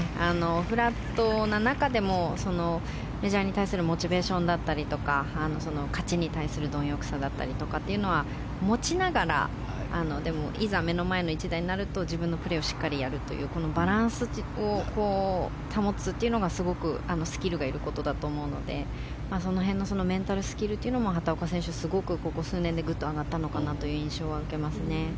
フラットな中でもメジャーに対するモチベーションだったりとか勝ちに対するどん欲さだったりとかは持ちながらいざ目の前の１打になると自分のプレーをしっかりやるというバランスを保つというのがすごくスキルがいることだと思うのでメンタルスキルも畑岡選手はここ数年でぐっと上がったのかなという印象がありますね。